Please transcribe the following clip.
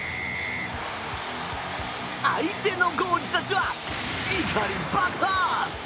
相手のコーチたちは、怒り爆発！